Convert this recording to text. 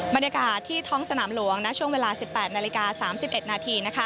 บรรยากาศที่ท้องสนามหลวงช่วงเวลา๑๘นาฬิกา๓๑นาที